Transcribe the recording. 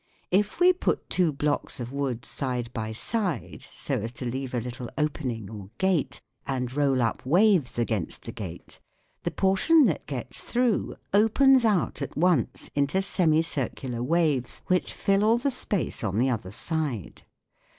If we put two blocks of wood side by side so as to leave a little opening or gate and roll up waves against the gate, the portion that gets through opens out at once into semicircular waves which fill all the space on the other side.